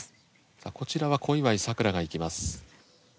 さあこちらは小祝さくらが行きます。